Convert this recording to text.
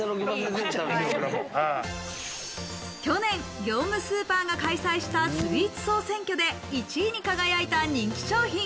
去年、業務スーパーが開催したスイーツ総選挙で１位に輝いた人気商品。